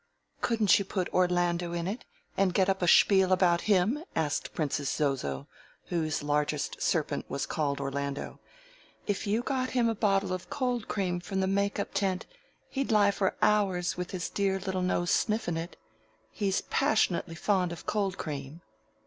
"Couldn't you put Orlando in it, and get up a spiel about him?" asked Princess Zozo, whose largest serpent was called Orlando. "If you got him a bottle of cold cream from the make up tent he'd lie for hours with his dear little nose sniffin' it. He's pashnutly fond of cold cream."